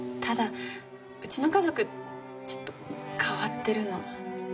ただうちの家族ちょっと変わってるの。